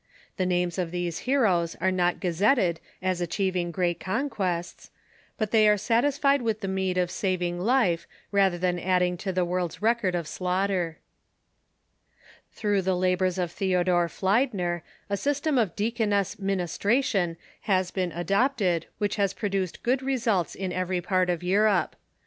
The names of these heroes are not gazetted as achieving great conquests; but they are satisfied with the meed of saving life rather than adding to the world's record of slaughter. Through the labors of Theodor Fliedncr a system of dea coness ministration has been adopted Avhich has produced good 27 418 THE MODERN CUUKCII results iu every part of Europe.